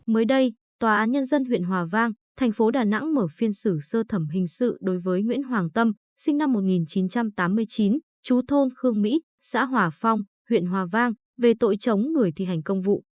mới đây tòa án nhân dân huyện hòa vang thành phố đà nẵng mở phiên xử sơ thẩm hình sự đối với nguyễn hoàng tâm sinh năm một nghìn chín trăm tám mươi chín chú thôn khương mỹ xã hòa phong huyện hòa vang về tội chống người thi hành công vụ